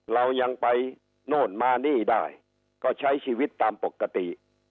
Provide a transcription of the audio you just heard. เรายังไปโน่นมานี่ได้ก็ใช้ชีวิตตามปกติ